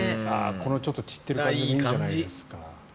このちょっと散ってる感じもいいじゃないですか。